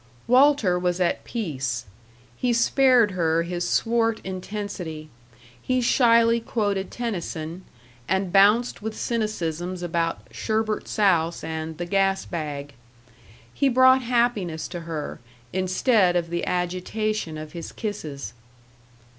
Walter was at peace. He spared her his swart intensity; he shyly quoted Tennyson, and bounced with cynicisms about "Sherbert Souse" and "the Gas bag." He brought happiness to her, instead of the agitation of his kisses.